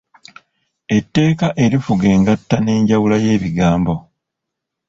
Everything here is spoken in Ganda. Etteeka erifuga engatta n’enjawula y’ebigambo.